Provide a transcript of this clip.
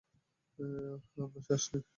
আমরা শ্বাস নিই।